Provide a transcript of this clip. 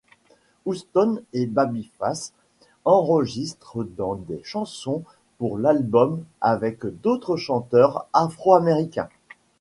Houston et Babyface enregistrent donc des chansons pour l'album avec d'autres chanteurs Afro-Américains.